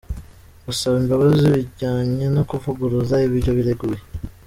Gusaba imbabazi byajyanye no kuvuguruza ibyo bireguye.